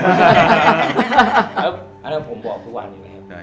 ครับอันนั้นผมบอกทุกวันอยู่นะครับ